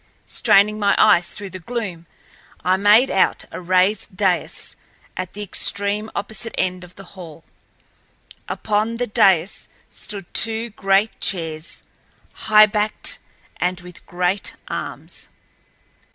Straining my eyes through the gloom, I made out a raised dais at the extreme opposite end of the hall. Upon the dais stood two great chairs, highbacked and with great arms.